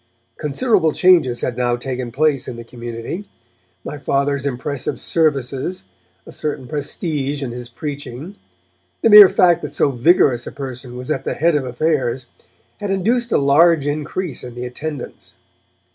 Considerable changes had now taken place in the community. My Father's impressive services, a certain prestige in his preaching, the mere fact that so vigorous a person was at the head of affairs, had induced a large increase in the attendance.